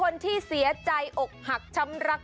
เยอะ